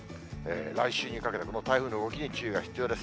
来週にかけてこの台風の動きに注意が必要です。